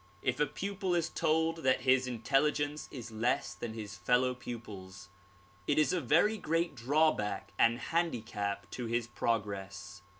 If a pupil is told that his intelligence is less than his fellow pupils, it is a very great drawback and handicap to his progress.